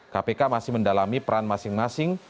kpk masih mendalami peran masing masing